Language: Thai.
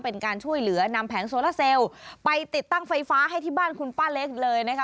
เป็นการช่วยเหลือนำแผงโซลาเซลไปติดตั้งไฟฟ้าให้ที่บ้านคุณป้าเล็กเลยนะคะ